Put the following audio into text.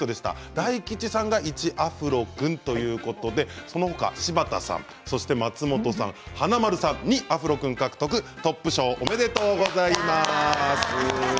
大吉さんが１アフロ君ということでそのあと柴田さん松本さん、華丸さんが２アフロということでおめでとうございます。